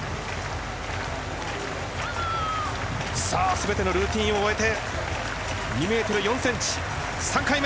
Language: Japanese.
全てのルーチンを終えて２ｍ４ｃｍ、３回目。